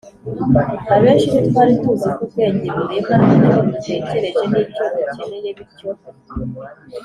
abenshi ntitwari tuzi ko ubwenge burema icyo dutekereje n’icyo dukeneye, bityo